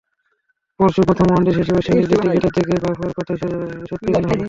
পরশু প্রথম ওয়ানডে শেষে ওয়েস্ট ইন্ডিজের ক্রিকেটারদের দেখে ব্রাভোর কথাই সত্যি মনে হলো।